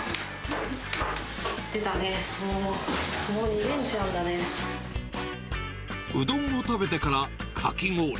出たね、うどんを食べてから、かき氷。